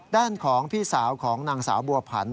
ด้านของพี่สาวของนางสาวบัวผัน